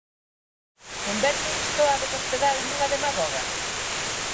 Converte isto a De Cospedal nunha demagoga?